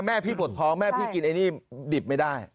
แม่พี่ปวดท้องแม่พี่กินไอ้นี่ดิบไม่ได้